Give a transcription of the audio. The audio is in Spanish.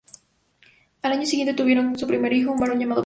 Al año siguiente, tuvieron su primer hijo, un varón llamado Pedro.